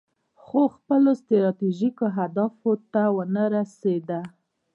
خو خپلو ستراتیژیکو اهدافو ته ونه رسید.